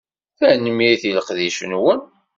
Tanemmirt i leqdic-nwen.